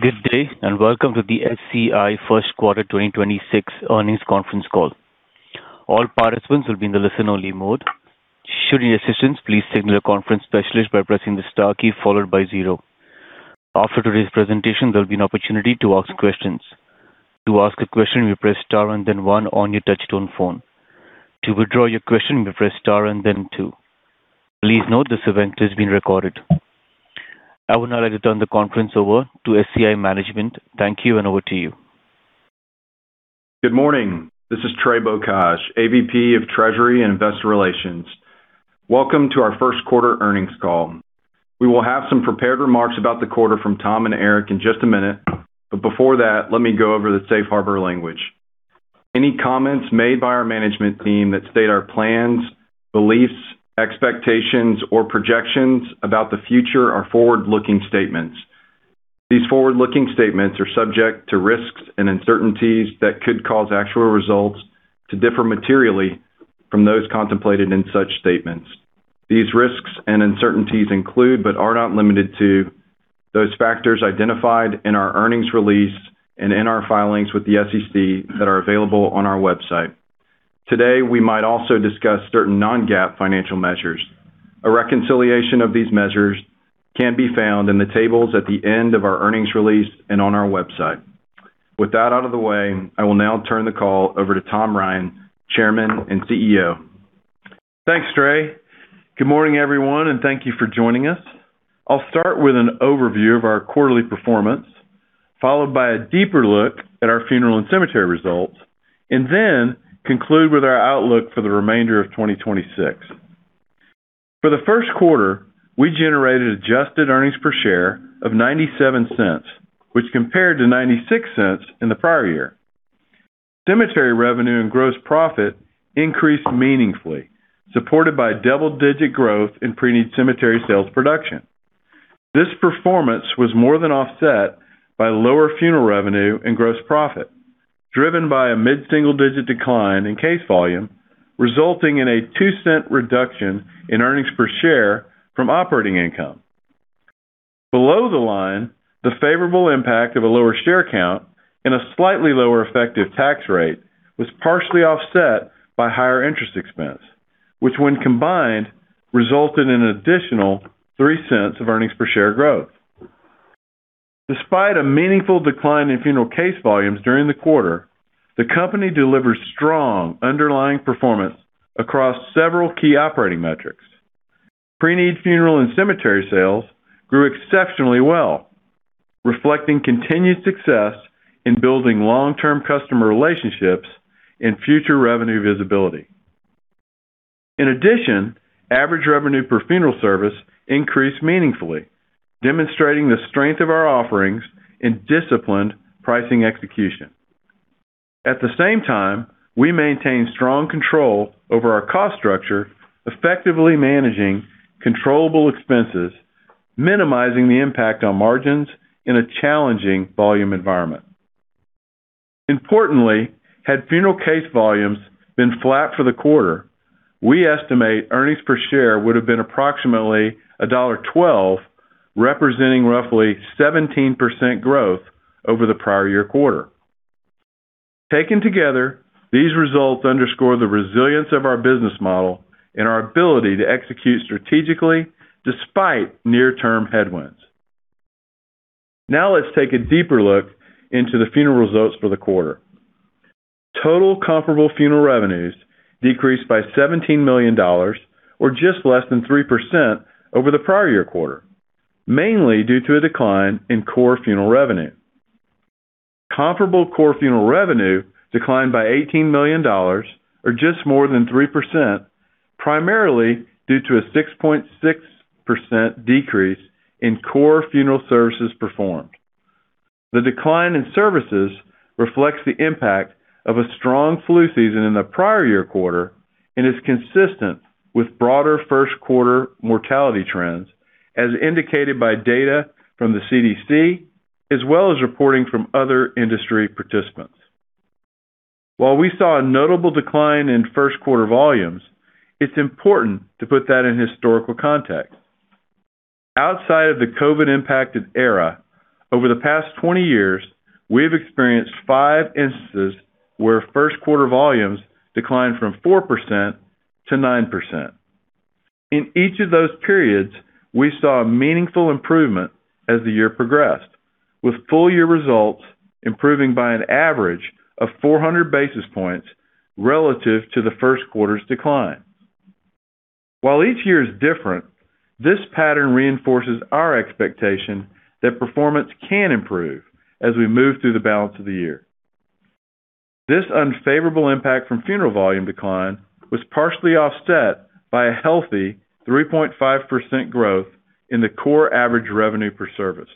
Good day, and welcome to the SCI Q1 2026 earnings conference call. All participants will be in the listen-only mode. Should you need assistance, please signal a conference specialist by pressing the star key followed by zero. After today's presentation, there'll be an opportunity to ask questions. To ask a question, you press star and then one on your touch-tone phone. To withdraw your question, you press star and then two. Please note this event is being recorded. I would now like to turn the conference over to SCI management. Thank you, and over to you. Good morning. This is Trey Bocage, AVP of Treasury and Investor Relations. Welcome to our Q1 earnings call. We will have some prepared remarks about the quarter from Tom and Eric in just a minute. Before that, let me go over the safe harbor language. Any comments made by our management team that state our plans, beliefs, expectations, or projections about the future are forward-looking statements. These forward-looking statements are subject to risks and uncertainties that could cause actual results to differ materially from those contemplated in such statements. These risks and uncertainties include, but are not limited to, those factors identified in our earnings release and in our filings with the SEC that are available on our website. Today, we might also discuss certain non-GAAP financial measures. A reconciliation of these measures can be found in the tables at the end of our earnings release and on our website. With that out of the way, I will now turn the call over to Tom Ryan, Chairman and CEO. Thanks, Trey. Good morning, everyone, and thank you for joining us. I'll start with an overview of our quarterly performance, followed by a deeper look at our funeral and cemetery results, and then conclude with our outlook for the remainder of 2026. For the Q1, we generated adjusted earnings per share of $0.97, which compared to $0.96 in the prior year. Cemetery revenue and gross profit increased meaningfully, supported by double-digit growth in Pre-need cemetery sales production. This performance was more than offset by lower funeral revenue and gross profit, driven by a mid-single-digit decline in case volume, resulting in a $0.02 reduction in earnings per share from operating income. Below the line, the favorable impact of a lower share count and a slightly lower effective tax rate was partially offset by higher interest expense, which when combined, resulted in an additional $0.03 of earnings per share growth. Despite a meaningful decline in funeral case volumes during the quarter, the company delivered strong underlying performance across several key operating metrics. Pre-need funeral and cemetery sales grew exceptionally well, reflecting continued success in building long-term customer relationships and future revenue visibility. Average revenue per funeral service increased meaningfully, demonstrating the strength of our offerings and disciplined pricing execution. At the same time, we maintained strong control over our cost structure, effectively managing controllable expenses, minimizing the impact on margins in a challenging volume environment. Importantly, had funeral case volumes been flat for the quarter, we estimate earnings per share would have been approximately $1.12, representing roughly 17% growth over the prior year quarter. Taken together, these results underscore the resilience of our business model and our ability to execute strategically despite near-term headwinds. Now let's take a deeper look into the funeral results for the quarter. Total comparable funeral revenues decreased by $17 million or just less than 3% over the prior year quarter, mainly due to a decline in core funeral revenue. Comparable core funeral revenue declined by $18 million or just more than 3%, primarily due to a 6.6% decrease in core funeral services performed. The decline in services reflects the impact of a strong flu season in the prior year quarter and is consistent with broader Q1 mortality trends as indicated by data from the CDC as well as reporting from other industry participants. While we saw a notable decline in Q1 volumes, it's important to put that in historical context. Outside of the COVID-impacted era, over the past 20 years, we have experienced five instances where Q1 volumes declined from 4%-9%. In each of those periods, we saw a meaningful improvement as the year progressed, with full-year results improving by an average of 400 basis points relative to the Q1's decline. While each year is different, this pattern reinforces our expectation that performance can improve as we move through the balance of the year. This unfavorable impact from funeral volume decline was partially offset by a healthy 3.5% growth in the core average revenue per service.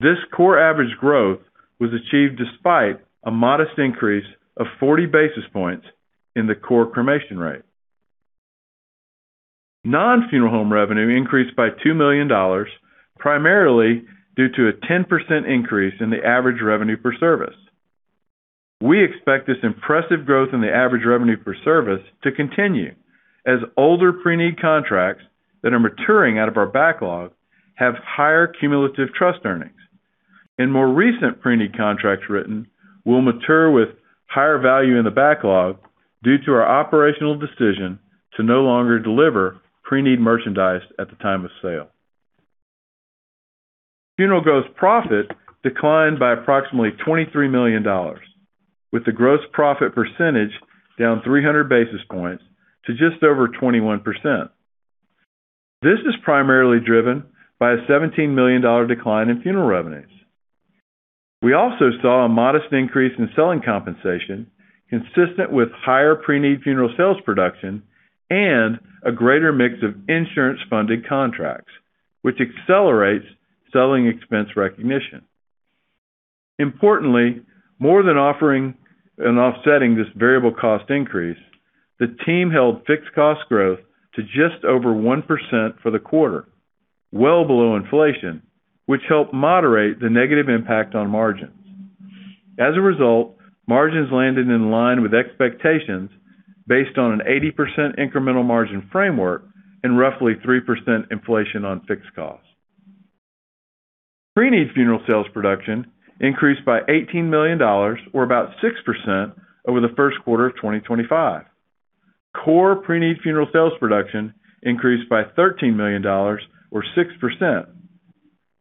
This core average growth was achieved despite a modest increase of 40 basis points in the core cremation rate. Non-funeral home revenue increased by $2 million, primarily due to a 10% increase in the average revenue per service. We expect this impressive growth in the average revenue per service to continue as older Pre-need contracts that are maturing out of our backlog have higher cumulative trust earnings. More recent Pre-need contracts written will mature with higher value in the backlog due to our operational decision to no longer deliver Pre-need merchandise at the time of sale. Funeral gross profit declined by approximately $23 million, with the gross profit percentage down 300 basis points to just over 21%. This is primarily driven by a $17 million decline in funeral revenues. We also saw a modest increase in selling compensation consistent with higher Pre-need funeral sales production and a greater mix of insurance-funded contracts, which accelerates selling expense recognition. Importantly, more than offsetting this variable cost increase, the team held fixed cost growth to just over 1% for the quarter, well below inflation, which helped moderate the negative impact on margins. As a result, margins landed in line with expectations based on an 80% incremental margin framework and roughly 3% inflation on fixed costs. Pre-need funeral sales production increased by $18 million or about 6% over the Q1 of 2025. Core Pre-need funeral sales production increased by $13 million or 6%.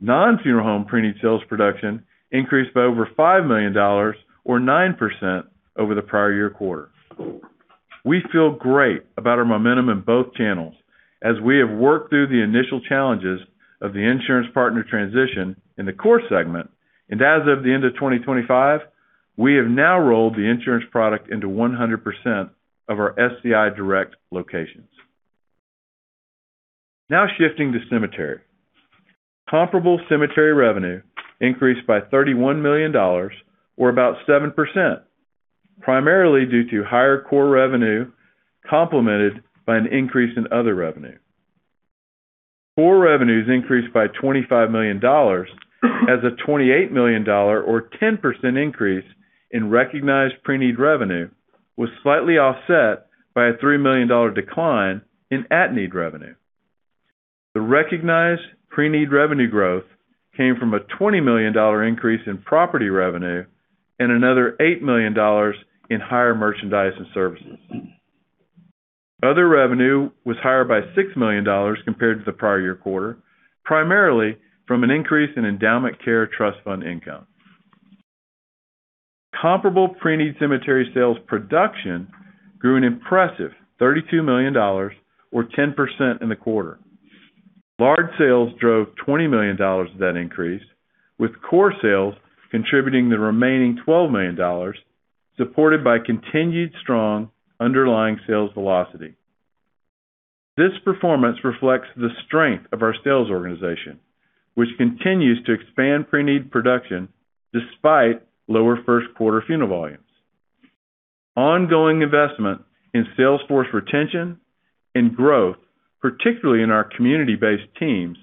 Non-funeral home Pre-need sales production increased by over $5 million or 9% over the prior year quarter. We feel great about our momentum in both channels as we have worked through the initial challenges of the insurance partner transition in the core segment. As of the end of 2025, we have now rolled the insurance product into 100% of our SCI Direct locations. Shifting to cemetery. Comparable cemetery revenue increased by $31 million or about 7%, primarily due to higher core revenue, complemented by an increase in other revenue. Core revenues increased by $25 million as a $28 million or 10% increase in recognized Pre-need revenue was slightly offset by a $3 million decline in at-need revenue. The recognized Pre-need revenue growth came from a $20 million increase in property revenue and another $8 million in higher merchandise and services. Other revenue was higher by $6 million compared to the prior year quarter, primarily from an increase in endowment care trust fund income. Comparable Pre-need cemetery sales production grew an impressive $32 million or 10% in the quarter. Large sales drove $20 million of that increase, with core sales contributing the remaining $12 million, supported by continued strong underlying sales velocity. This performance reflects the strength of our sales organization, which continues to expand Pre-need production despite lower Q1 funeral volumes. Ongoing investment in sales force retention and growth, particularly in our community-based teams,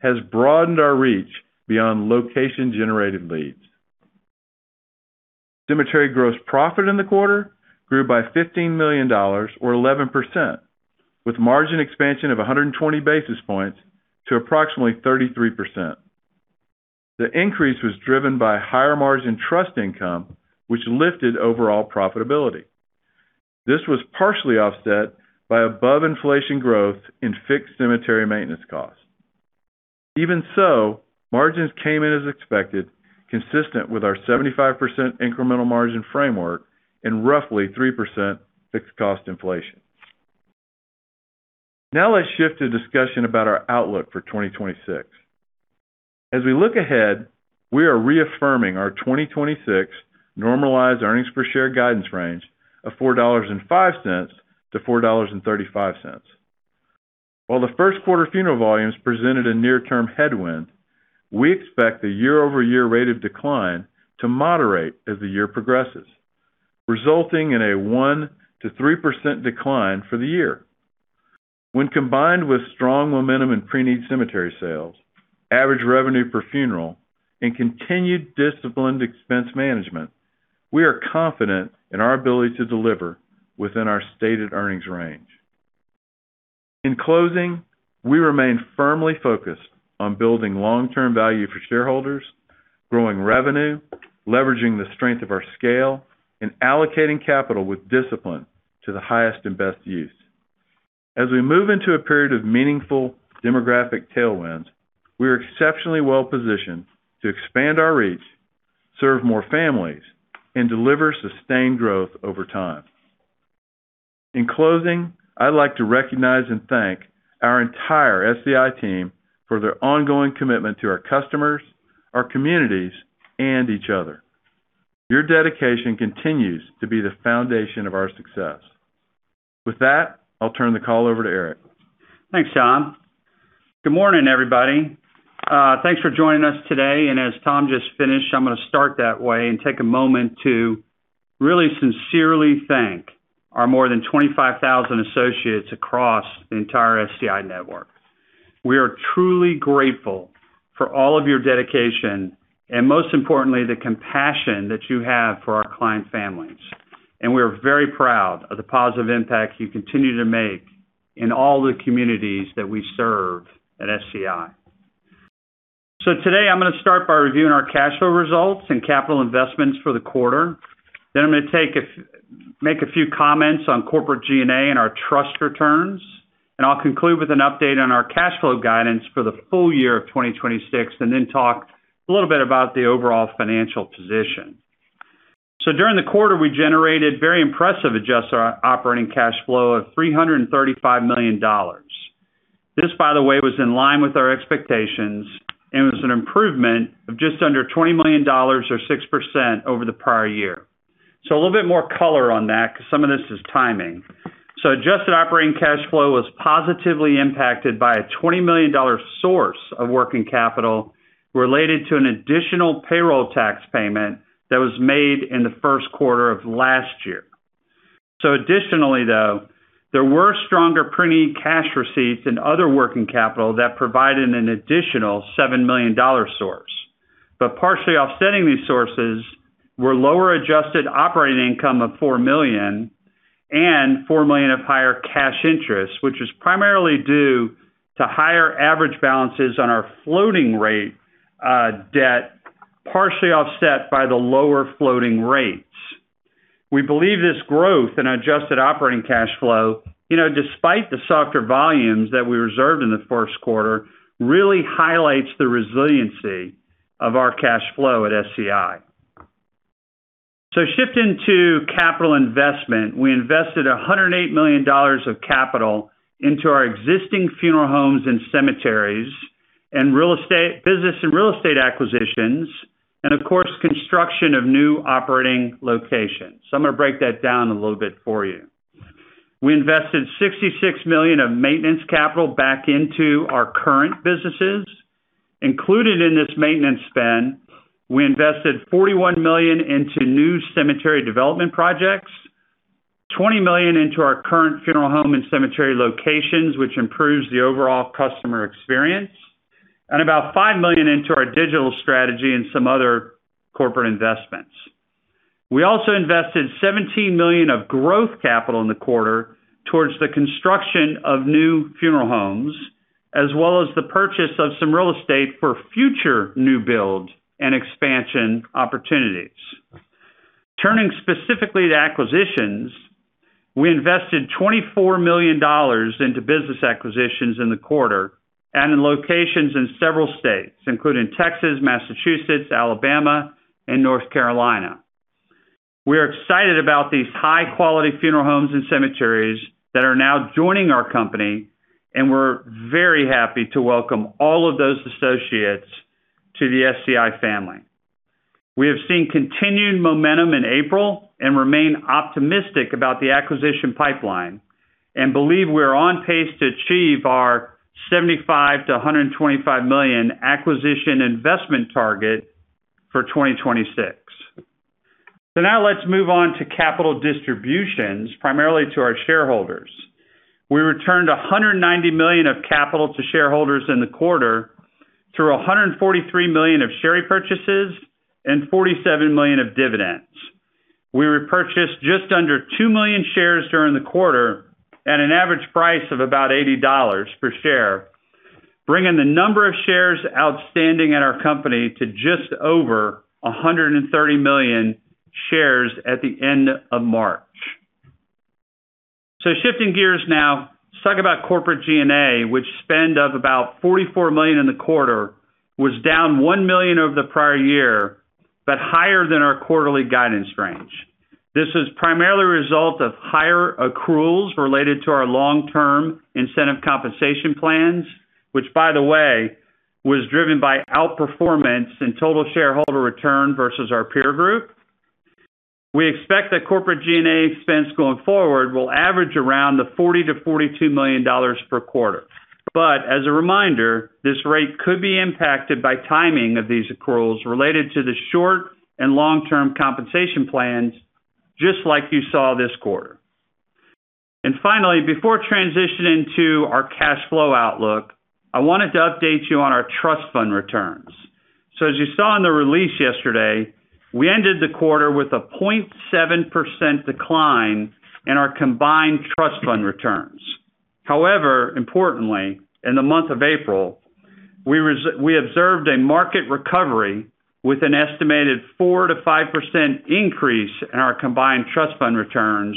has broadened our reach beyond location-generated leads. Cemetery gross profit in the quarter grew by $15 million or 11%, with margin expansion of 120 basis points to approximately 33%. The increase was driven by higher margin trust income, which lifted overall profitability. This was partially offset by above-inflation growth in fixed cemetery maintenance costs. Margins came in as expected, consistent with our 75% incremental margin framework and roughly 3% fixed cost inflation. Let's shift to discussion about our outlook for 2026. We look ahead, we are reaffirming our 2026 normalized earnings per share guidance range of $4.05-$4.35. The Q1 funeral volumes presented a near-term headwind, we expect the year-over-year rate of decline to moderate as the year progresses, resulting in a 1%-3% decline for the year. When combined with strong momentum in Pre-need cemetery sales, average revenue per funeral, and continued disciplined expense management, we are confident in our ability to deliver within our stated earnings range. In closing, we remain firmly focused on building long-term value for shareholders, growing revenue, leveraging the strength of our scale, and allocating capital with discipline to the highest and best use. We move into a period of meaningful demographic tailwinds, we are exceptionally well-positioned to expand our reach, serve more families, and deliver sustained growth over time. In closing, I'd like to recognize and thank our entire SCI team for their ongoing commitment to our customers, our communities, and each other. Your dedication continues to be the foundation of our success. With that, I'll turn the call over to Eric. Thanks, Tom. Good morning, everybody. Thanks for joining us today. As Tom just finished, I'm gonna start that way and take a moment to really sincerely thank our more than 25,000 associates across the entire SCI network. We are truly grateful for all of your dedication and most importantly, the compassion that you have for our client families, and we are very proud of the positive impact you continue to make in all the communities that we serve at SCI. Today, I'm gonna start by reviewing our cash flow results and capital investments for the quarter. I'm gonna make a few comments on corporate G&A and our trust returns. I'll conclude with an update on our cash flow guidance for the full year of 2026, and then talk a little bit about the overall financial position. During the quarter, we generated very impressive adjusted operating cash flow of $335 million. This, by the way, was in line with our expectations and was an improvement of just under $20 million or 6% over the prior year. A little bit more color on that because some of this is timing. Adjusted operating cash flow was positively impacted by a $20 million source of working capital related to an additional payroll tax payment that was made in the Q1 of last year. Additionally, though, there were stronger Pre-need cash receipts in other working capital that provided an additional $7 million source. Partially offsetting these sources were lower adjusted operating income of $4 million and $4 million of higher cash interest, which is primarily due to higher average balances on our floating rate debt, partially offset by the lower floating rates. We believe this growth in adjusted operating cash flow, you know, despite the softer volumes that we reserved in the Q1, really highlights the resiliency of our cash flow at SCI. Shifting to capital investment, we invested $108 million of capital into our existing funeral homes and cemeteries and business and real estate acquisitions, and of course, construction of new operating locations. I'm gonna break that down a little bit for you. We invested $66 million of maintenance capital back into our current businesses. Included in this maintenance spend, we invested $41 million into new cemetery development projects, $20 million into our current funeral home and cemetery locations, which improves the overall customer experience, and about $5 million into our digital strategy and some other corporate investments. We also invested $17 million of growth capital in the quarter towards the construction of new funeral homes, as well as the purchase of some real estate for future new build and expansion opportunities. Turning specifically to acquisitions, we invested $24 million dollars into business acquisitions in the quarter and in locations in several states, including Texas, Massachusetts, Alabama, and North Carolina. We are excited about these high-quality funeral homes and cemeteries that are now joining our company, and we're very happy to welcome all of those associates to the SCI family. We have seen continued momentum in April and remain optimistic about the acquisition pipeline and believe we're on pace to achieve our $75 million-$125 million acquisition investment target for 2026. Now let's move on to capital distributions, primarily to our shareholders. We returned $190 million of capital to shareholders in the quarter through $143 million of share repurchases and $47 million of dividends. We repurchased just under 2 million shares during the quarter at an average price of about $80 per share, bringing the number of shares outstanding at our company to just over 130 million shares at the end of March. Shifting gears now, let's talk about corporate G&A, which spend of about $44 million in the quarter, was down $1 million over the prior year, but higher than our quarterly guidance range. This is primarily a result of higher accruals related to our long-term incentive compensation plans, which, by the way, was driven by outperformance in total shareholder return versus our peer group. We expect that corporate G&A spends going forward will average around the $40 million-$42 million per quarter. As a reminder, this rate could be impacted by timing of these accruals related to the short and long-term compensation plans, just like you saw this quarter. Finally, before transitioning to our cash flow outlook, I wanted to update you on our trust fund returns. As you saw in the release yesterday, we ended the quarter with a 0.7% decline in our combined trust fund returns. However, importantly, in the month of April, we observed a market recovery with an estimated 4%-5% increase in our combined trust fund returns,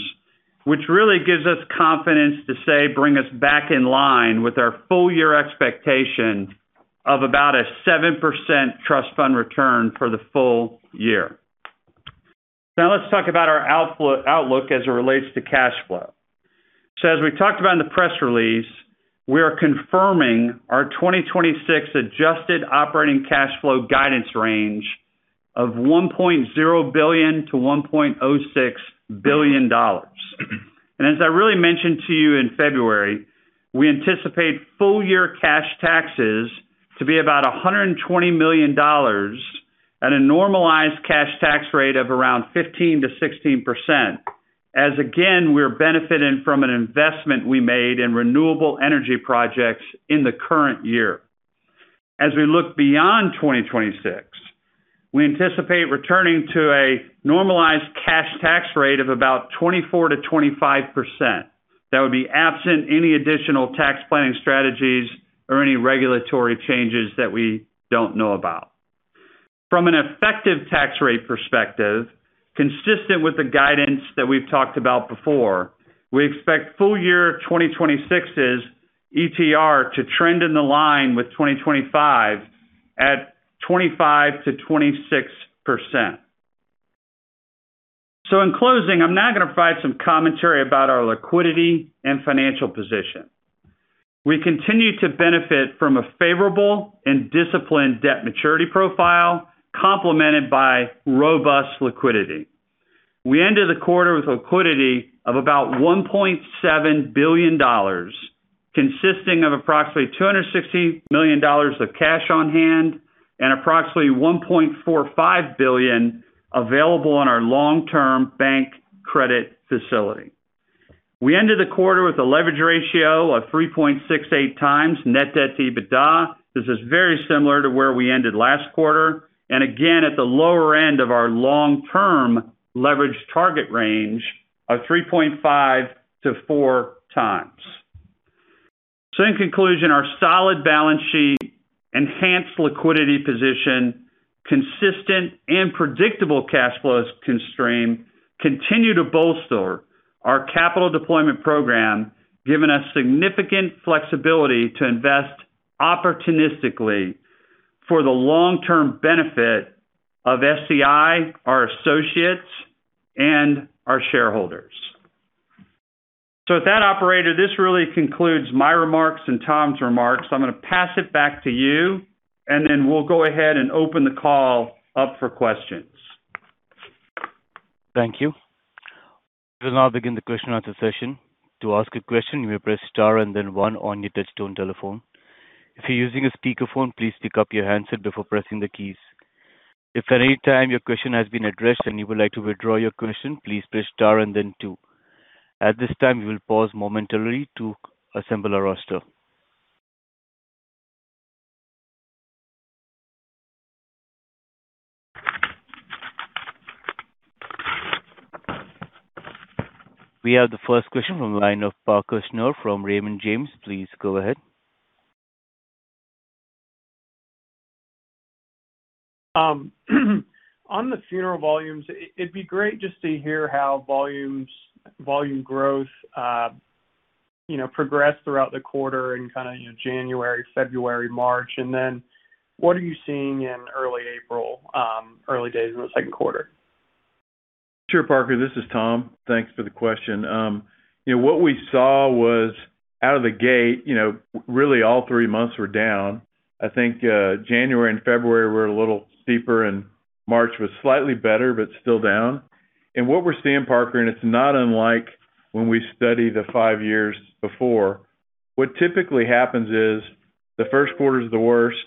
which really gives us confidence to bring us back in line with our full-year expectation of about a 7% trust fund return for the full year. Let's talk about our outlook as it relates to cash flow. As we talked about in the press release, we are confirming our 2026 adjusted operating cash flow guidance range of $1.0 billion-$1.06 billion. As I really mentioned to you in February, we anticipate full-year cash taxes to be about $120 million at a normalized cash tax rate of around 15%-16%. Again, we're benefiting from an investment we made in renewable energy projects in the current year. As we look beyond 2026, we anticipate returning to a normalized cash tax rate of about 24%-25%. That would be absent any additional tax planning strategies or any regulatory changes that we don't know about. From an effective tax rate perspective, consistent with the guidance that we've talked about before, we expect full year 2026's ETR to trend in the line with 2025 at 25%-26%. In closing, I'm now gonna provide some commentary about our liquidity and financial position. We continue to benefit from a favorable and disciplined debt maturity profile, complemented by robust liquidity. We ended the quarter with liquidity of about $1.7 billion, consisting of approximately $260 million of cash on-hand and approximately $1.45 billion available on our long-term bank credit facility. We ended the quarter with a leverage ratio of 3.68x net debt to EBITDA. This is very similar to where we ended last quarter and again at the lower end of our long-term leverage target range of 3.5-4x. In conclusion, our solid balance sheet, enhanced liquidity position, consistent and predictable cash flows continue to bolster our capital deployment program, giving us significant flexibility to invest opportunistically for the long-term benefit of SCI, our associates, and our shareholders. With that, operator, this really concludes my remarks and Tom's remarks. I'm gonna pass it back to you, and then we'll go ahead and open the call up for questions. Thank you. We will now begin the question and answer section. To ask your question, press star and then one on your desktop telephone. If you are using a speaker phone, please pick up your handset before pressing the keys. If at anytime, your question has been addressed and you would like to withdraw your question, please press star and then two. At time we would pause momentarily to assemble our roster. We have the first question from the line of Parker Snure from Raymond James. Please go ahead. On the funeral volumes, it'd be great just to hear how volumes, volume growth, you know, progressed throughout the quarter in, you know, January, February, March. What are you seeing in early April, early days in the Q2? Sure, Parker. This is Tom. Thanks for the question. You know, what we saw was out of the gate, you know, really all three months were down. I think, January and February were a little steeper, March was slightly better, but still down. What we're seeing, Parker Snure, and it's not unlike when we study the five years before, what typically happens is the Q1 is the worst,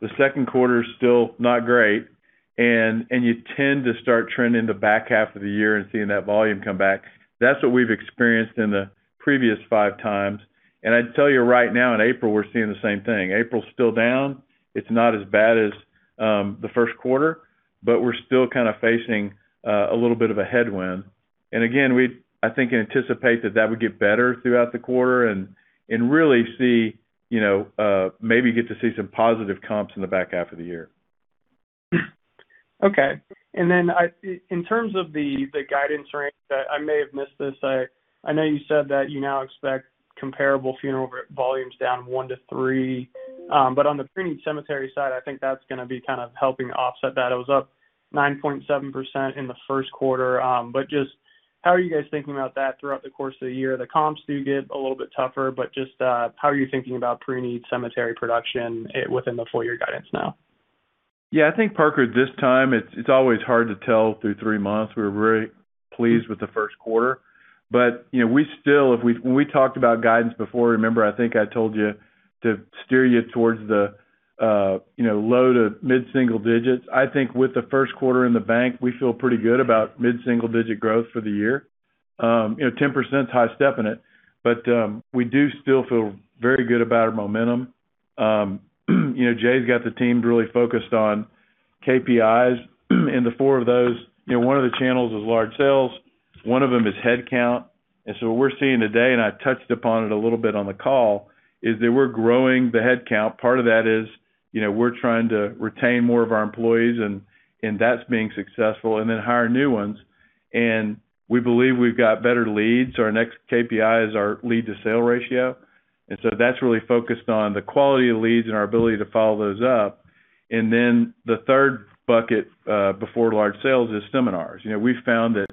the Q2 is still not great, and you tend to start trending the back half of the year and seeing that volume come back. That's what we've experienced in the previous five times. I'd tell you right now in April, we're seeing the same thing. April's still down. It's not as bad as the Q1, but we're still kinda facing a little bit of a headwind. Again, I think anticipate that that would get better throughout the quarter and really see, you know, maybe get to see some positive comps in the back half of the year. Okay. In terms of the guidance range, I may have missed this. I know you said that you now expect comparable funeral volumes down 1%-3%. On the Pre-need cemetery side, I think that's gonna be kind of helping offset that. It was up 9.7% in the Q1. How are you guys thinking about that throughout the course of the year? The comps do get a little bit tougher. How are you thinking about Pre-need cemetery production within the full year guidance now? Yeah, I think Parker, this time it's always hard to tell through three months. We're very pleased with the Q1. You know, When we talked about guidance before, remember, I think I told you to steer you towards the, you know, low to mid-single digits. I think with the Q1 in the bank, we feel pretty good about mid-single digit growth for the year. You know, 10% is high-stepping it, but we do still feel very good about our momentum. You know, Jay's got the team really focused on KPIs and the four of those. You know, one of the channels is large sales, one of them is headcount. What we're seeing today, and I touched upon it a little bit on the call, is that we're growing the headcount. Part of that is, you know, we're trying to retain more of our employees and that's being successful and then hire new ones. We believe we've got better leads. Our next KPI is our lead-to-sale ratio. That's really focused on the quality of leads and our ability to follow those up. The third bucket, before large sales is seminars. You know, we found that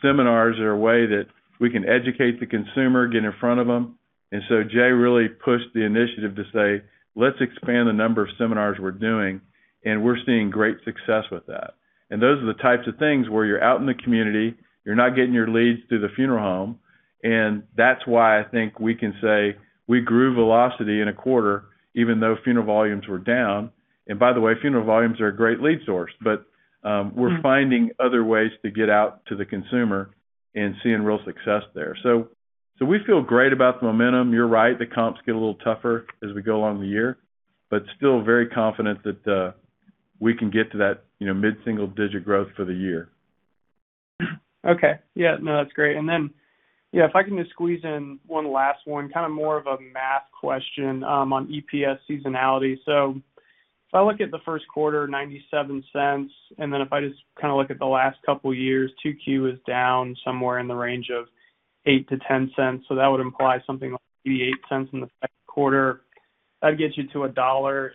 seminars are a way that we can educate the consumer, get in front of them. Jay really pushed the initiative to say, "Let's expand the number of seminars we're doing," and we're seeing great success with that. Those are the types of things where you're out in the community, you're not getting your leads through the funeral home. That's why I think we can say we grew velocity in a quarter, even though funeral volumes were down. By the way, funeral volumes are a great lead source. Mm-hmm... we're finding other ways to get out to the consumer and seeing real success there. We feel great about the momentum. You're right, the comps get a little tougher as we go along the year, still very confident that we can get to that, you know, mid-single-digit growth for the year. Okay. Yeah, no, that's great. Yeah, if I can just squeeze in one last one, kind of more of a math question, on EPS seasonality. If I look at the Q1, $0.97, then if I just kind of look at the last couple years, 2Q is down somewhere in the range of $0.08-$0.10. That would imply something like $0.88 in the Q2. That'd get you to $1.85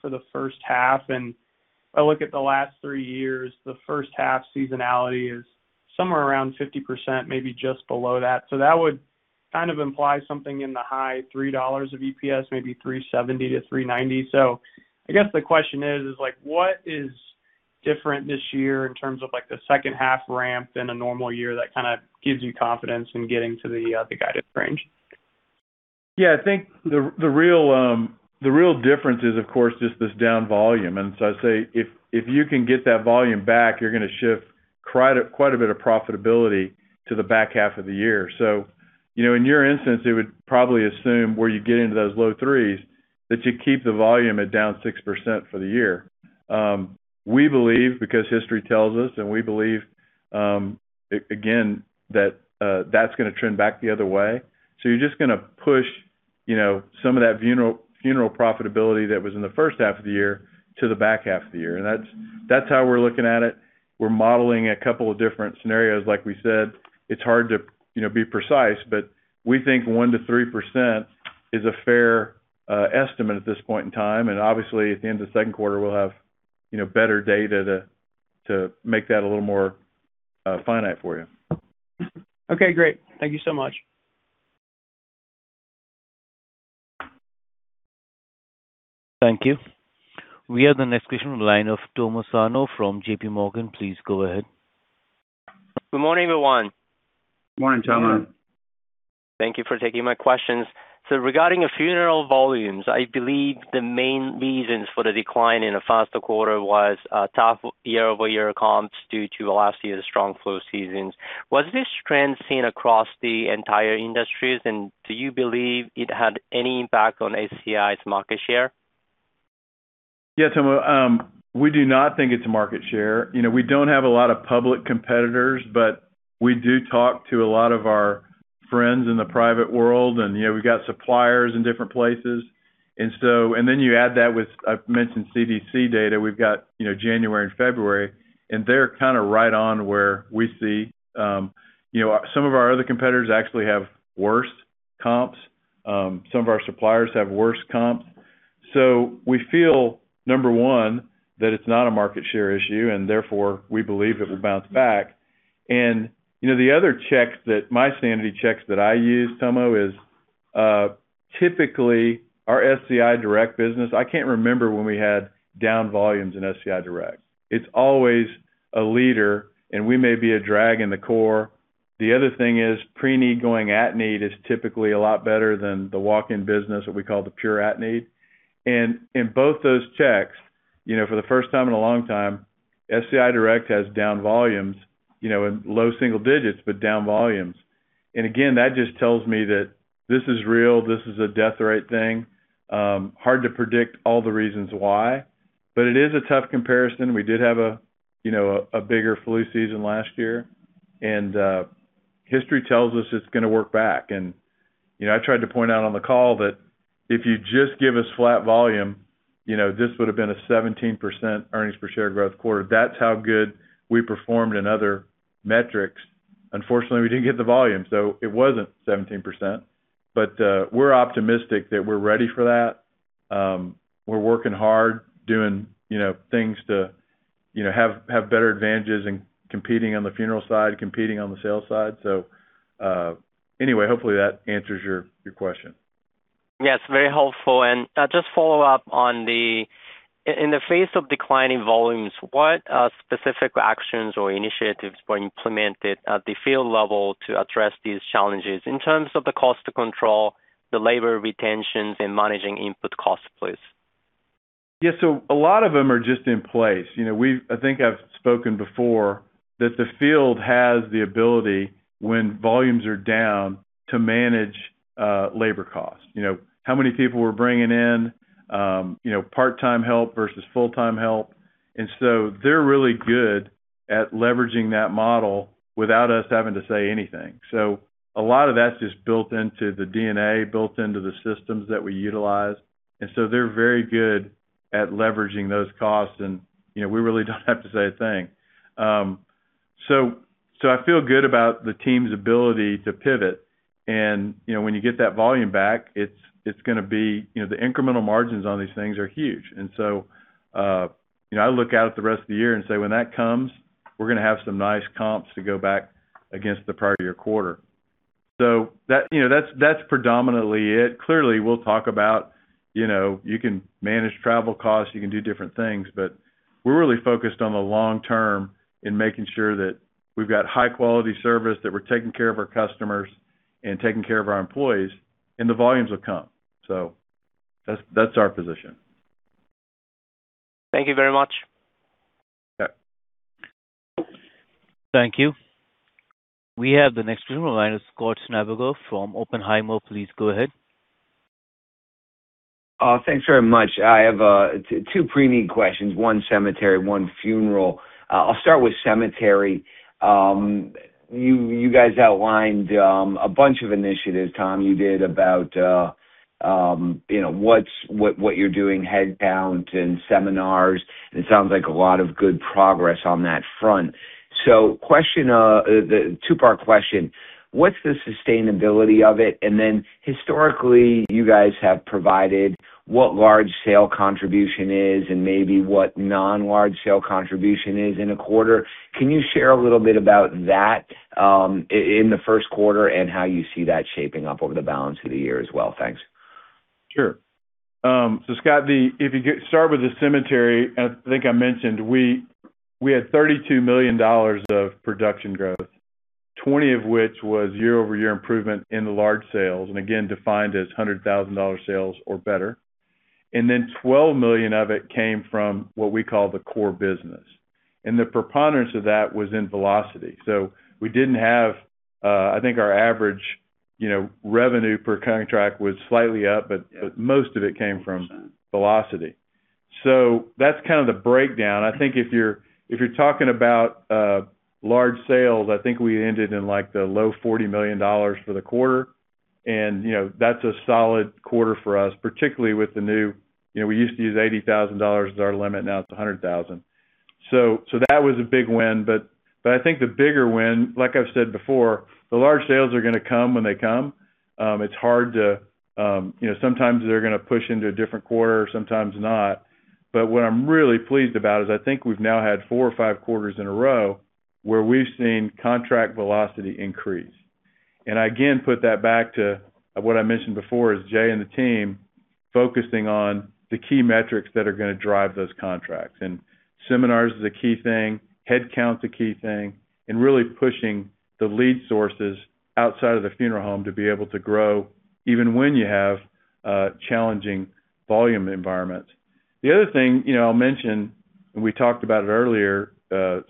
for the H1. If I look at the last three years, the H1 seasonality is somewhere around 50%, maybe just below that. That would kind of imply something in the high three dollars of EPS, maybe $3.70-$3.90. I guess the question is like what is different this year in terms of like the H2 ramp in a normal year that kind of gives you confidence in getting to the guided range? Yeah. I think the real, the real difference is, of course, just this down volume. I'd say if you can get that volume back, you're gonna shift quite a bit of profitability to the back half of the year. You know, in your instance, it would probably assume, where you get into those low 3s, that you keep the volume at down 6% for the year. We believe, because history tells us, and we believe again, that's gonna trend back the other way. You're just gonna push, you know, some of that funeral profitability that was in the H1 of the year to the back half of the year. That's how we're looking at it. We're modeling a couple of different scenarios. Like we said, it's hard to, you know, be precise, but we think 1%-3% is a fair estimate at this point in time. Obviously, at the end of the Q2, we'll have, you know, better data to make that a little more finite for you. Okay, great. Thank you so much. Thank you. We have the next question in line of Tomo Sano from J.P. Morgan. Please go ahead. Good morning, everyone. Morning, Tomo. Thank you for taking my questions. Regarding the funeral volumes, I believe the main reasons for the decline in the Q1 was tough year-over-year comps due to last year's strong flu seasons. Was this trend seen across the entire industries? Do you believe it had any impact on SCI's market share? Yeah, Tomo, we do not think it's market share. You know, we don't have a lot of public competitors, but we do talk to a lot of our friends in the private world, and, you know, we've got suppliers in different places. You add that with, I've mentioned CDC data. We've got, you know, January and February, and they're kind of right on where we see. You know, some of our other competitors actually have worse comps. Some of our suppliers have worse comps. We feel, number 1, that it's not a market share issue, and therefore, we believe it will bounce back. You know, the other checks that my sanity checks that I use, Tomo, is typically our SCI Direct business, I can't remember when we had down volumes in SCI Direct. It's always a leader, we may be a drag in the core. The other thing is, Pre-need going at-need is typically a lot better than the walk-in business, what we call the pure at-need. In both those checks, you know, for the first time in a long time, SCI Direct has down volumes, you know, in low single digits, but down volumes. Again, that just tells me that this is real. This is a death rate thing. Hard to predict all the reasons why, but it is a tough comparison. We did have a, you know, a bigger flu season last year. History tells us it's gonna work back. You know, I tried to point out on the call that if you just give us flat volume, you know, this would have been a 17% earnings per share growth quarter. That's how good we performed in other metrics. Unfortunately, we didn't get the volume, so it wasn't 17%. We're optimistic that we're ready for that. We're working hard doing, you know, things to, you know, have better advantages in competing on the funeral side, competing on the sales side. Anyway, hopefully, that answers your question. Yes, very helpful. In the face of declining volumes, what specific actions or initiatives were implemented at the field level to address these challenges in terms of the cost to control the labor retentions and managing input costs, please? Yeah. A lot of them are just in place. You know, I think I've spoken before that the field has the ability, when volumes are down, to manage labor costs. You know, how many people we're bringing in, you know, part-time help versus full-time help. They're really good at leveraging that model without us having to say anything. A lot of that's just built into the DNA, built into the systems that we utilize, they're very good at leveraging those costs, and, you know, we really don't have to say a thing. So I feel good about the team's ability to pivot. You know, when you get that volume back, it's gonna be, you know, the incremental margins on these things are huge. You know, I look out at the rest of the year and say, when that comes, we're gonna have some nice comps to go back against the prior year quarter. You know, that's predominantly it. Clearly, you know, you can manage travel costs, you can do different things, but we're really focused on the long term in making sure that we've got high-quality service, that we're taking care of our customers and taking care of our employees, and the volumes will come. That's, that's our position. Thank you very much. Yeah. Thank you. We have the next in line is Scott Schneeberger from Oppenheimer. Please go ahead. Thanks very much. I have two Pre-need questions, one cemetery, one funeral. I'll start with cemetery. You, you guys outlined a bunch of initiatives, Tom, you did about, you know, what you're doing headcounts and seminars, and it sounds like a lot of good progress on that front. Question, the two-part question, what's the sustainability of it? Historically, you guys have provided what large sale contribution is and maybe what non-large sale contribution is in a quarter. Can you share a little bit about that in the Q1 and how you see that shaping up over the balance of the year as well? Thanks. Sure. Scott, if you start with the cemetery, I think I mentioned we had $32 million of production growth, 20 of which was year-over-year improvement in the large sales, again, defined as $100,000 sales or better. Then $12 million of it came from what we call the core business. The preponderance of that was in velocity. We didn't have, I think our average, you know, revenue per contract was slightly up, but most of it came from velocity. That's kind of the breakdown. I think if you're talking about large sales, I think we ended in, like, the low $40 million for the quarter. You know, that's a solid quarter for us, particularly with the new. You know, we used to use $80,000 as our limit, now it's $100,000. That was a big win. I think the bigger win, like I've said before, the large sales are gonna come when they come. You know, sometimes they're gonna push into a different quarter, sometimes not. What I'm really pleased about is I think we've now had four or five quarters in a row where we've seen contract velocity increase. I again put that back to what I mentioned before is Jay and the team focusing on the key metrics that are gonna drive those contracts. Seminars is a key thing, headcount's a key thing, and really pushing the lead sources outside of the funeral home to be able to grow even when you have a challenging volume environment. The other thing, you know, I'll mention, we talked about it earlier,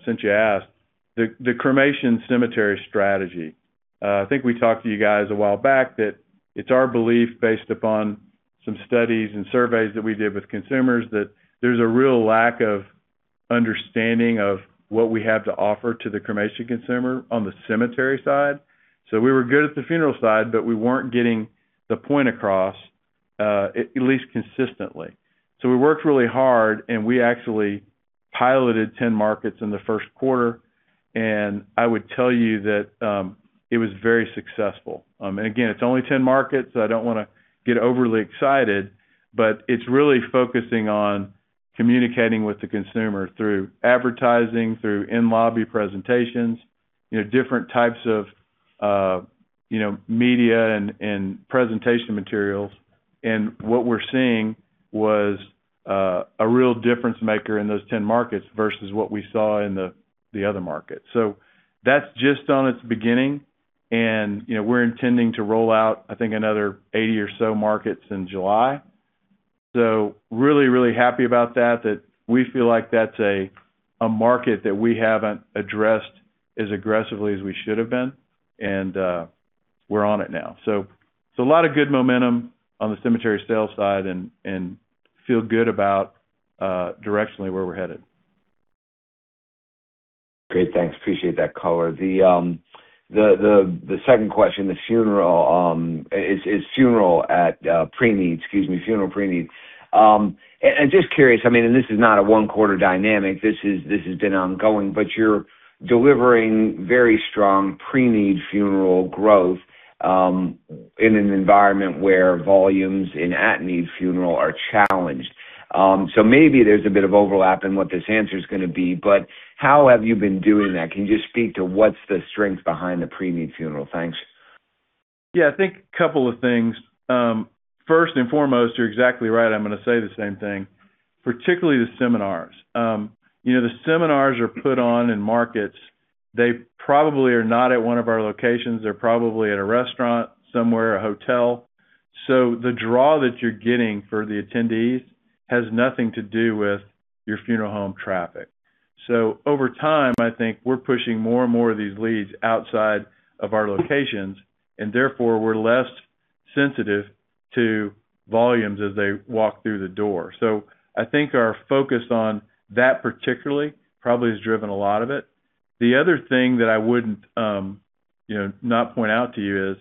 since you asked, the cremation cemetery strategy. I think we talked to you guys a while back that it's our belief based upon some studies and surveys that we did with consumers that there's a real lack of understanding of what we have to offer to the cremation consumer on the cemetery side. We were good at the funeral side, but we weren't getting the point across, at least consistently. We worked really hard, we actually piloted 10 markets in the Q1, and I would tell you that it was very successful. Again, it's only 10 markets. I don't want to get overly excited, but it's really focusing on communicating with the consumer through advertising, through in-lobby presentations, you know, different types of, you know, media and presentation materials. What we're seeing was a real difference maker in those 10 markets versus what we saw in the other markets. That's just on its beginning, and, you know, we're intending to roll out, I think, another 80 or so markets in July. Really happy about that we feel like that's a market that we haven't addressed as aggressively as we should have been, and we're on it now. A lot of good momentum on the cemetery sales side and feel good about directionally where we're headed. Great. Thanks. Appreciate that color. The, the second question, the funeral, is funeral at Pre-need, excuse me, funeral Pre-need. And, and just curious, I mean, this is not a one-quarter dynamic, this has been ongoing, but you're delivering very strong Pre-need funeral growth in an environment where volumes in at-need funeral are challenged. So maybe there's a bit of overlap in what this answer's gonna be, but how have you been doing that? Can you just speak to what's the strength behind the Pre-need funeral? Thanks. Yeah. I think a couple of things. first and foremost, you're exactly right, I'm gonna say the same thing, particularly the seminars. you know, the seminars are put on in markets. They probably are not at one of our locations. They're probably at a restaurant somewhere, a hotel. the draw that you're getting for the attendees has nothing to do with your funeral home traffic. over time, I think we're pushing more and more of these leads outside of our locations, and therefore, we're less sensitive to volumes as they walk through the door. I think our focus on that particularly probably has driven a lot of it. The other thing that I wouldn't, you know, not point out to you is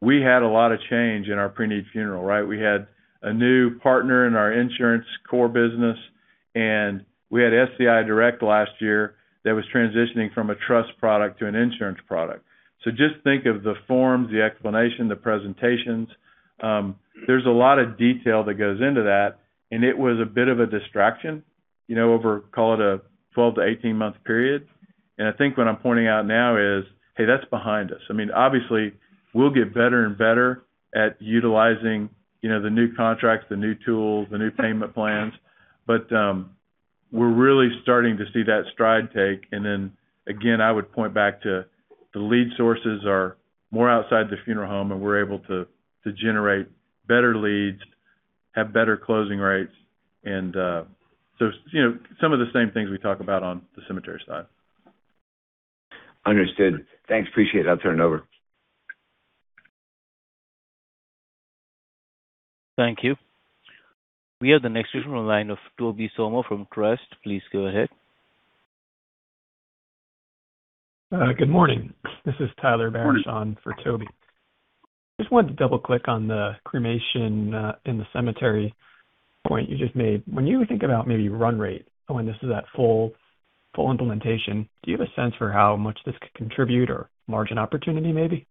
we had a lot of change in our Pre-need funeral, right? We had a new partner in our insurance core business, and we had SCI Direct last year that was transitioning from a trust product to an insurance product. Just think of the forms, the explanation, the presentations. There's a lot of detail that goes into that, and it was a bit of a distraction. You know, over call it a 12 to 18-month period. I think what I'm pointing out now is, hey, that's behind us. I mean, obviously, we'll get better and better at utilizing, you know, the new contracts, the new tools, the new payment plans. We're really starting to see that stride take. Again, I would point back to the lead sources are more outside the funeral home, and we're able to generate better leads, have better closing rates. You know, some of the same things we talk about on the cemetery side. Understood. Thanks. Appreciate it. I'll turn it over. Thank you. We have the next question in line of Tobey Sommer from Truist. Please go ahead. Good morning. This is Tyler Barishaw. Morning On for Tobey. Just wanted to double-click on the cremation in the cemetery point you just made. When you think about maybe run rate when this is at full implementation, do you have a sense for how much this could contribute or margin opportunity maybe?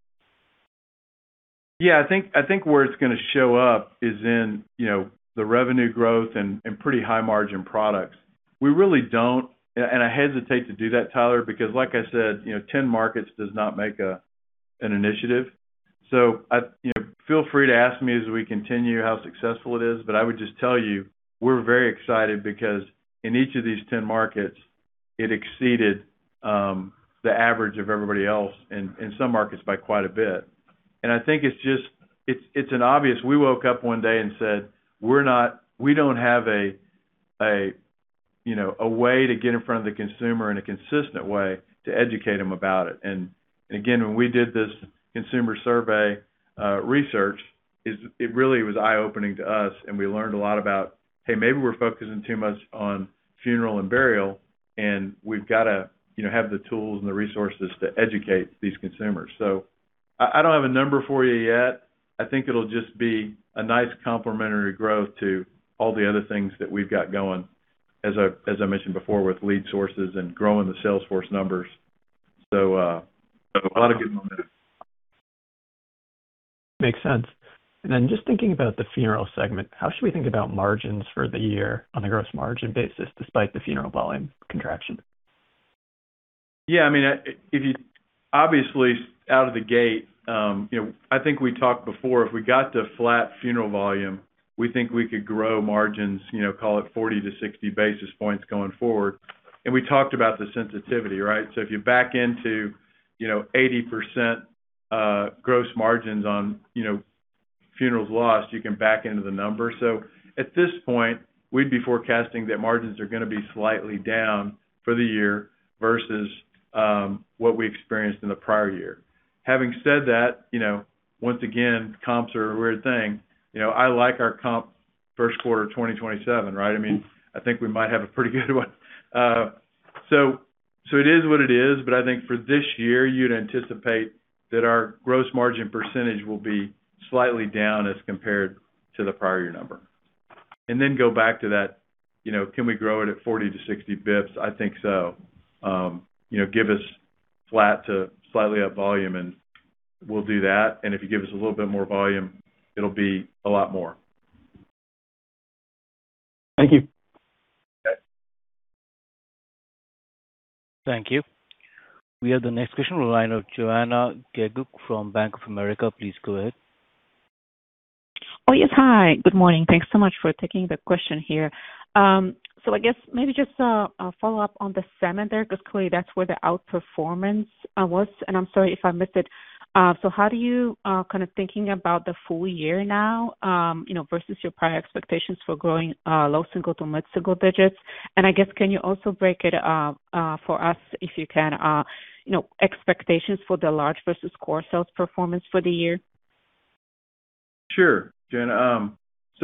I think where it's gonna show up is in, you know, the revenue growth and pretty high margin products. We really don't, and I hesitate to do that, Tyler, because like I said, you know, 10 markets does not make a, an initiative. I you know, feel free to ask me as we continue how successful it is, but I would just tell you, we're very excited because in each of these 10 markets, it exceeded the average of everybody else in some markets by quite a bit. I think it's just. It's an obvious. We woke up one day and said, "We don't have a, you know, a way to get in front of the consumer in a consistent way to educate them about it." Again, when we did this consumer survey, research, it really was eye-opening to us, and we learned a lot about, hey, maybe we're focusing too much on funeral and burial, and we've got to, you know, have the tools and the resources to educate these consumers. I don't have a number for you yet. I think it'll just be a nice complementary growth to all the other things that we've got going, as I mentioned before, with lead sources and growing the sales force numbers. A lot of good momentum. Makes sense. Just thinking about the funeral segment, how should we think about margins for the year on a gross margin basis despite the funeral volume contraction? Yeah, I mean, obviously, out of the gate, you know, I think we talked before, if we got to flat funeral volume, we think we could grow margins, you know, call it 40 to 60 basis points going forward. We talked about the sensitivity, right? If you back into, you know, 80% gross margins on, you know, funerals lost, you can back into the numbers. At this point, we'd be forecasting that margins are gonna be slightly down for the year versus what we experienced in the prior year. Having said that, you know, once again, comps are a weird thing. You know, I like our comp Q1 of 2027, right? I mean, I think we might have a pretty good one. It is what it is, I think for this year, you'd anticipate that our gross margin percentage will be slightly down as compared to the prior year number. Go back to that, you know, can we grow it at 40 to 60 basis points? I think so. You know, give us flat to slightly up volume, we'll do that. If you give us a little bit more volume, it'll be a lot more. Thank you. Okay. Thank you. We have the next question in line of Joanna Gajuk from Bank of America. Please go ahead. Oh, yes. Hi. Good morning. Thanks so much for taking the question here. I guess maybe just a follow-up on the cemetery, because clearly that's where the outperformance was. I'm sorry if I missed it. How do you kind of thinking about the full year now, you know, versus your prior expectations for growing low single to mid-single digits? I guess, can you also break it for us if you can, you know, expectations for the large versus core sales performance for the year? Sure, Joanna.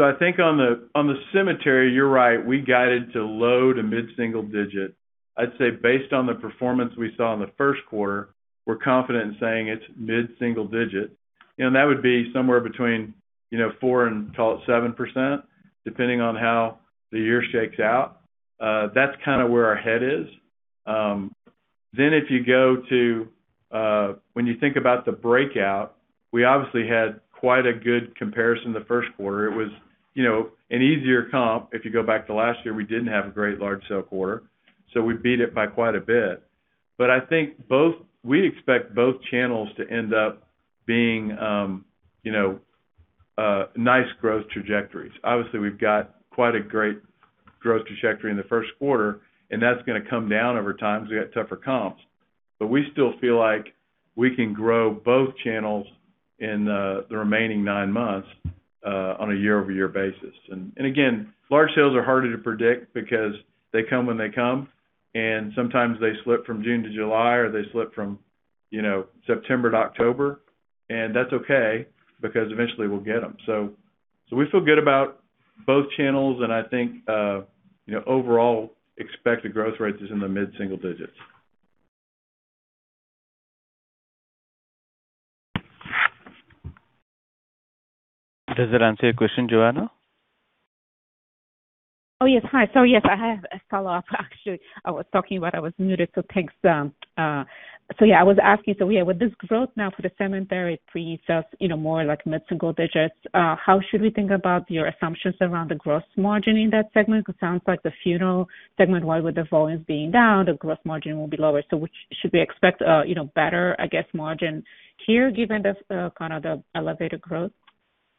I think on the, on the cemetery, you're right. We guided to low to mid-single-digit. I'd say based on the performance we saw in the Q1, we're confident in saying it's mid-single-digit. You know, that would be somewhere between, you know, 4% and call it 7%, depending on how the year shakes out. That's kinda where our head is. If you go to, when you think about the breakout, we obviously had quite a good comparison the Q1. It was, you know, an easier comp. If you go back to last year, we didn't have a great large sale quarter, we beat it by quite a bit. I think we expect both channels to end up being, you know, nice growth trajectories. Obviously, we've got quite a great growth trajectory in the Q1, and that's gonna come down over time as we got tougher comps. We still feel like we can grow both channels in the remaining nine months on a year-over-year basis. Again, large sales are harder to predict because they come when they come, and sometimes they slip from June to July, or they slip from, you know, September to October. That's okay because eventually we'll get them. We feel good about both channels, and I think, you know, overall expected growth rates is in the mid-single digits. Does that answer your question, Joanna? Yes. Hi. Yes, I have a follow-up, actually. I was talking while I was muted, so thanks. Yeah, I was asking, with this growth now for the cemetery pre-sales, you know, more like mid-single digits, how should we think about your assumptions around the gross margin in that segment? It sounds like the funeral segment wide, with the volumes being down, the gross margin will be lower. We should expect, you know, better, I guess, margin here, given the kind of the elevated growth?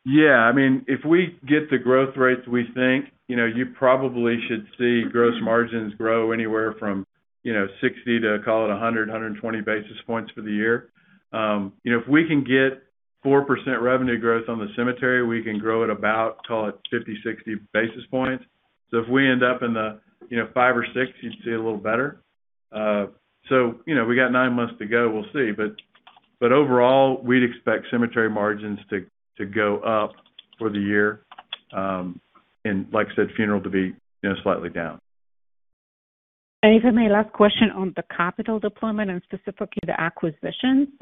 Yeah. I mean, if we get the growth rates we think, you know, you probably should see gross margins grow anywhere from, you know, 60 to call it 100, 120 basis points for the year. You know, if we can get 4% revenue growth on the cemetery, we can grow at about, call it 50, 60 basis points. If we end up in the, you know, 5 or 6, you'd see a little better. You know, we got 9 months to go. We'll see. Overall, we'd expect cemetery margins to go up for the year, and like you said, funeral to be, you know, slightly down. If I may, last question on the capital deployment and specifically the acquisition.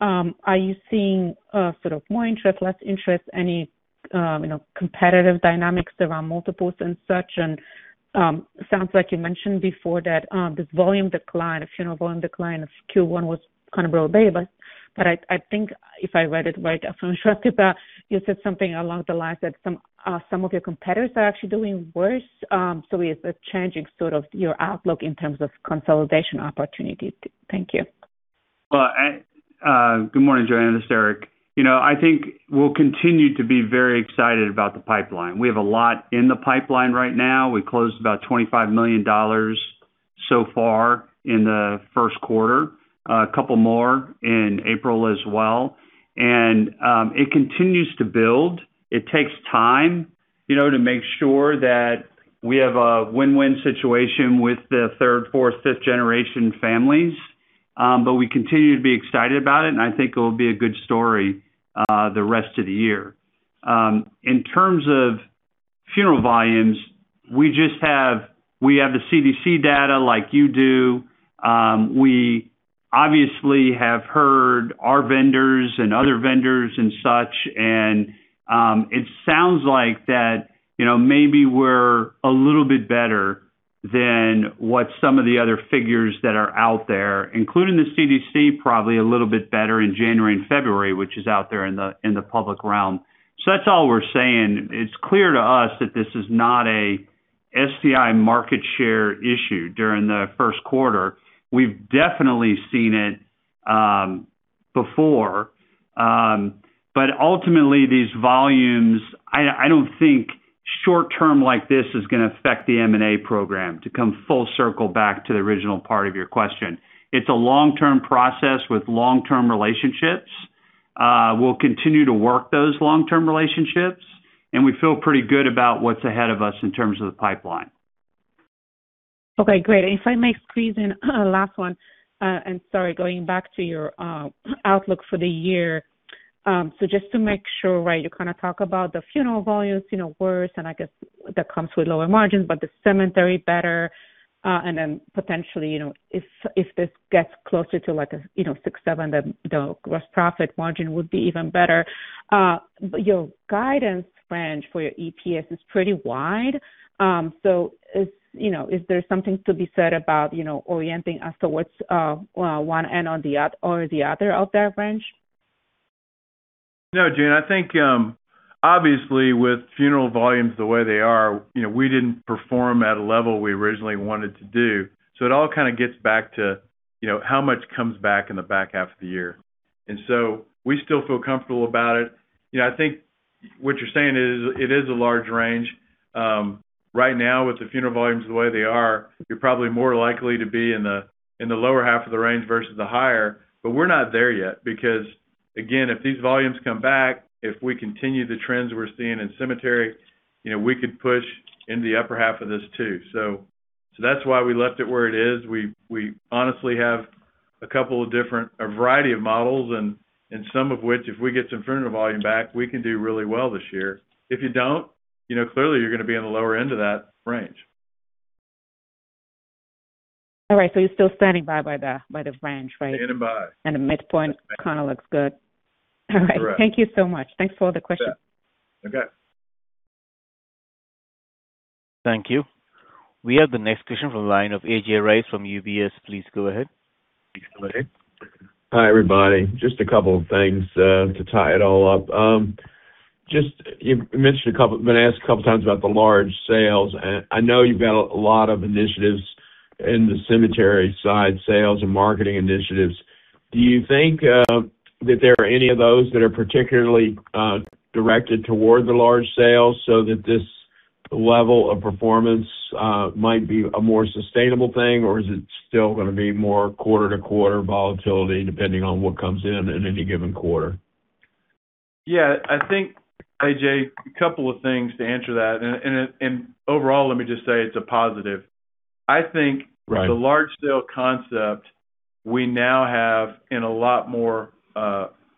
Are you seeing sort of more interest, less interest, any competitive dynamics around multiples and such? Sounds like you mentioned before that this volume decline, the funeral volume decline of Q1 was kind of real behavior. I think if I read it right, I'm not sure about, you said something along the lines that some of your competitors are actually doing worse. Is this changing sort of your outlook in terms of consolidation opportunities? Thank you. Well, good morning, Joanna. This is Eric. You know, I think we'll continue to be very excited about the pipeline. We have a lot in the pipeline right now. We closed about $25 million so far in the Q1, a couple more in April as well. It continues to build. It takes time, you know, to make sure that we have a win-win situation with the third, fourth, fifth generation families. We continue to be excited about it, and I think it will be a good story the rest of the year. In terms of funeral volumes, we have the CDC data like you do. We obviously have heard our vendors and other vendors and such, and it sounds like that, you know, maybe we're a little bit better than what some of the other figures that are out there, including the CDC, probably a little bit better in January and February, which is out there in the, in the public realm. That's all we're saying. It's clear to us that this is not a SCI market share issue during the Q1. We've definitely seen it before. But ultimately, these volumes, I don't think short-term like this is gonna affect the M&A program to come full circle back to the original part of your question. It's a long-term process with long-term relationships. We'll continue to work those long-term relationships, and we feel pretty good about what's ahead of us in terms of the pipeline. Okay, great. If I may squeeze in a last one, sorry, going back to your outlook for the year. Just to make sure, right, you kind of talk about the funeral volumes, worse, I guess that comes with lower margins, but the cemetery better, then potentially, if this gets closer to like a 6, 7, the gross profit margin would be even better. Your guidance range for your EPS is pretty wide. Is there something to be said about orienting as to what's one end or the other of that range? No, Joanna. I think, obviously with funeral volumes the way they are, you know, we didn't perform at a level we originally wanted to do. It all kind of gets back to, you know, how much comes back in the back half of the year. We still feel comfortable about it. You know, I think what you're saying is it is a large range. Right now with the funeral volumes the way they are, you're probably more likely to be in the, in the lower half of the range versus the higher. We're not there yet because, again, if these volumes come back, if we continue the trends we're seeing in cemetery, you know, we could push in the upper half of this too. That's why we left it where it is. We honestly have a couple of different, a variety of models and some of which, if we get some funeral volume back, we can do really well this year. If you don't, you know, clearly you're gonna be on the lower end of that range. All right, you're still standing by the, by the range, right? Standing by. The midpoint kinda looks good. That's correct. All right. Thank you so much. Thanks for all the questions. You bet. Okay. Thank you. We have the next question from the line of A.J. Rice from UBS. Please go ahead. Hi, everybody. Just a couple of things to tie it all up. Just you've been asked a couple times about the large sales. I know you've got a lot of initiatives in the cemetery side, sales and marketing initiatives. Do you think that there are any of those that are particularly directed toward the large sales so that this level of performance might be a more sustainable thing, or is it still gonna be more quarter-to-quarter volatility depending on what comes in at any given quarter? Yeah, I think, AJ, a couple of things to answer that. Overall, let me just say it's a positive. Right. I think the large sale concept we now have in a lot more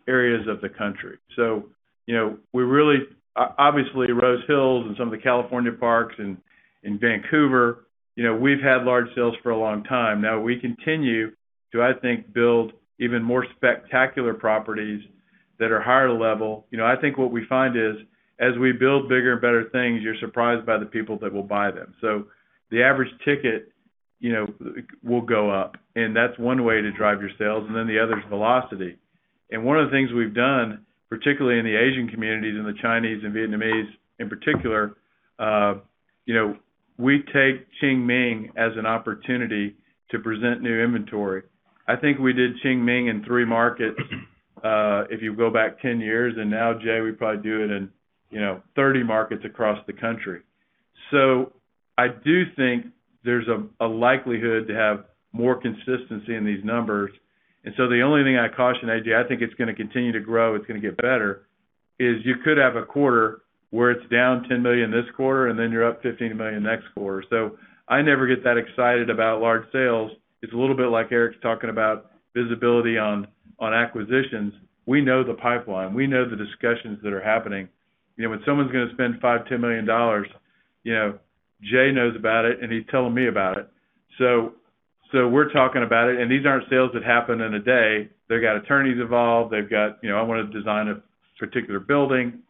areas of the country. You know, we obviously, Rose Hills and some of the California parks and Vancouver, you know, we've had large sales for a long time. Now, we continueDo I think build even more spectacular properties that are higher level? You know, I think what we find is, as we build bigger and better things, you're surprised by the people that will buy them. The average ticket, you know, will go up, and that's one way to drive your sales. The other is velocity. One of the things we've done, particularly in the Asian communities, in the Chinese and Vietnamese in particular, you know, we take Qingming as an opportunity to present new inventory. I think we did Qingming in three markets, if you go back 10 years, now, Jay, we probably do it in, you know, 30 markets across the country. I do think there's a likelihood to have more consistency in these numbers. The only thing I'd caution, AJ, I think it's gonna continue to grow, it's gonna get better, is you could have a quarter where it's down $10 million this quarter and then you're up $15 million next quarter. I never get that excited about large sales. It's a little bit like Eric's talking about visibility on acquisitions. We know the pipeline. We know the discussions that are happening. You know, when someone's gonna spend $5 million-$10 million, you know, Jay knows about it, and he's telling me about it. We're talking about it. These aren't sales that happen in a day. They've got attorneys involved. They've got, you know, I wanna design a particular building.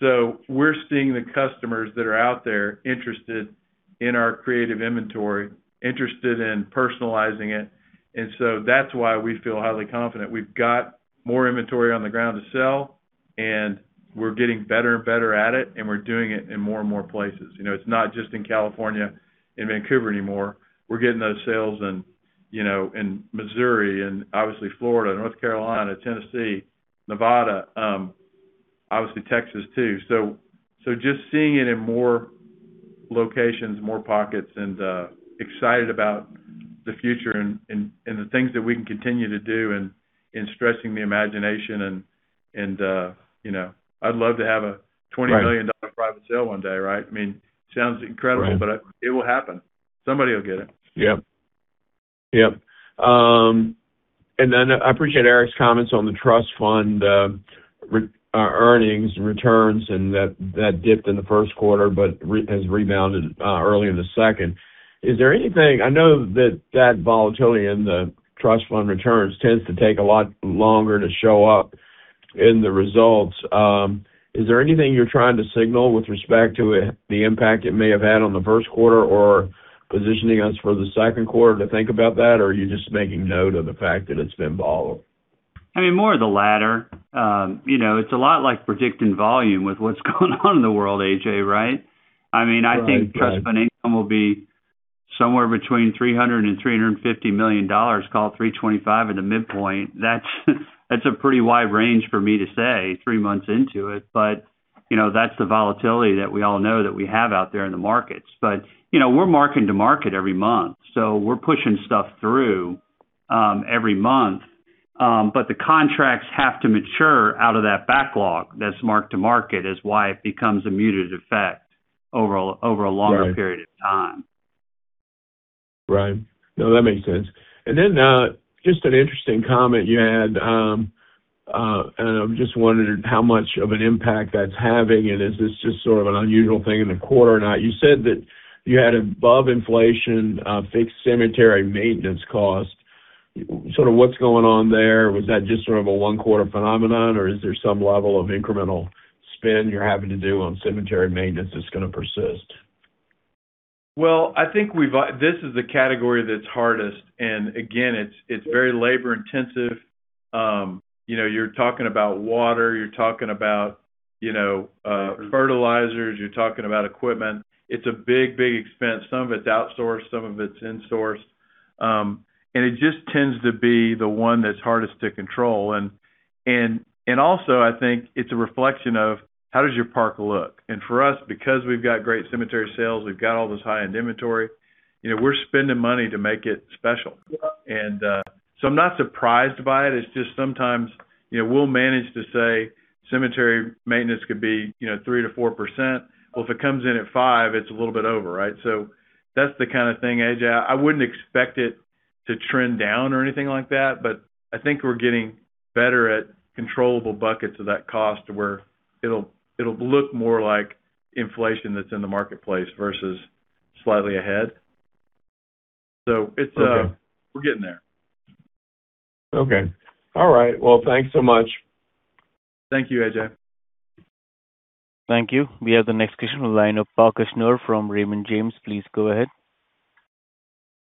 We're seeing the customers that are out there interested in our creative inventory, interested in personalizing it. That's why we feel highly confident. We've got more inventory on the ground to sell, and we're getting better and better at it, and we're doing it in more and more places. You know, it's not just in California and Vancouver anymore. We're getting those sales in, you know, in Missouri and obviously Florida, North Carolina, Tennessee, Nevada, obviously Texas too. Just seeing it in more locations, more pockets and excited about the future and the things that we can continue to do and in stretching the imagination and, you know, I'd love to have a $20 million private sale one day, right? I mean, sounds incredible. Right. It will happen. Somebody will get it. Yep. Yep. I appreciate Eric's comments on the trust fund earnings, returns, and that dipped in the Q1 but has rebounded early in the Second. I know that volatility in the trust fund returns tends to take a lot longer to show up in the results. Is there anything you're trying to signal with respect to the impact it may have had on the Q1 or positioning us for the Q2 to think about that? Are you just making note of the fact that it's been volatile? I mean, more of the latter. you know, it's a lot like predicting volume with what's going on in the world, A.J., right? Right. Right. I mean, I think trust fund income will be somewhere between $300 million-$350 million, call it $325 million at a midpoint. That's a pretty wide range for me to say 3 months into it. You know, that's the volatility that we all know that we have out there in the markets. You know, we're marketing to market every month, so we're pushing stuff through every month. The contracts have to mature out of that backlog that's marked to market is why it becomes a muted effect over a, over a longer period of time. Right. No, that makes sense. Just an interesting comment you had, and I'm just wondering how much of an impact that's having, and is this just sort of an unusual thing in the quarter or not? You said that you had above inflation fixed cemetery maintenance cost. Sort of what's going on there? Was that just sort of a one-quarter phenomenon, or is there some level of incremental spend you're having to do on cemetery maintenance that's gonna persist? Well, I think this is the category that's hardest. Again, it's very labor-intensive. You know, you're talking about water, you're talking about, you know, fertilizers, you're talking about equipment. It's a big expense. Some of it's outsourced, some of it's insourced. It just tends to be the one that's hardest to control. Also, I think it's a reflection of how does your park look? For us, because we've got great cemetery sales, we've got all this high-end inventory, you know, we're spending money to make it special. I'm not surprised by it. It's just sometimes, you know, we'll manage to say cemetery maintenance could be, you know, 3%-4%. Well, if it comes in at 5%, it's a little bit over, right? That's the kind of thing, A.J. I wouldn't expect it to trend down or anything like that, but I think we're getting better at controllable buckets of that cost to where it'll look more like inflation that's in the marketplace versus slightly ahead. Okay. We're getting there. Okay. All right. Well, thanks so much. Thank you, AJ. Thank you. We have the next question in line of Parker Snure from Raymond James. Please go ahead.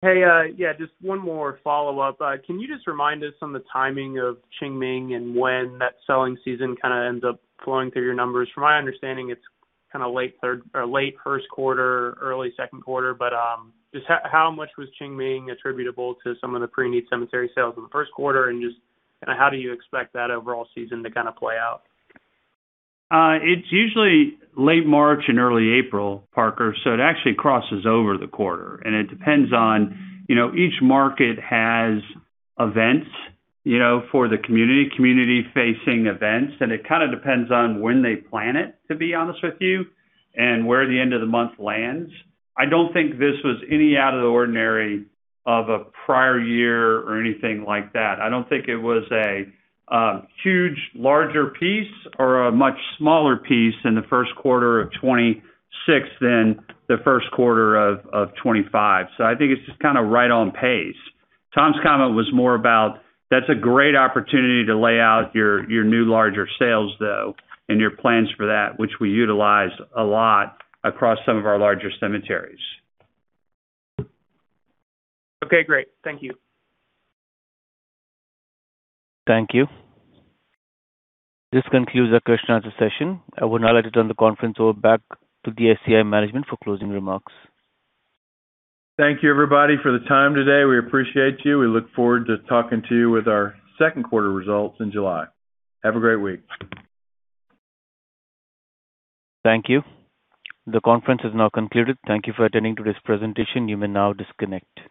Hey, yeah, just one more follow-up. Can you just remind us on the timing of Qingming and when that selling season kind of ends up flowing through your numbers? From my understanding, it's kind of late third or late Q1, early Q2. Just how much was Qingming attributable to some of the Pre-need cemetery sales in the Q1? Just kind of how do you expect that overall season to kind of play out? It's usually late March and early April, Parker. It actually crosses over the quarter, and it depends on, you know, each market has events, you know, for the community-facing events, and it kind of depends on when they plan it, to be honest with you, and where the end of the month lands. I don't think this was any out of the ordinary of a prior year or anything like that. I don't think it was a huge larger piece or a much smaller piece in the Q1 of 2026 than the Q1 of 2025. I think it's just kind of right on pace. Tom's comment was more about that's a great opportunity to lay out your new larger sales, though, and your plans for that, which we utilize a lot across some of our larger cemeteries. Okay, great. Thank you. Thank you. This concludes our question answer session. I would now like to turn the conference over back to the SCI management for closing remarks. Thank you, everybody, for the time today. We appreciate you. We look forward to talking to you with our Q2 results in July. Have a great week. Thank you. The conference is now concluded. Thank you for attending today's presentation. You may now disconnect.